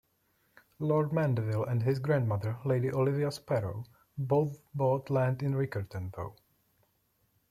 Lord Mandeville and his grandmother, Lady Olivia Sparrow, both bought land in Riccarton, though.